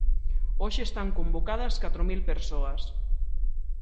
Hoxe están convocadas catro mil persoas.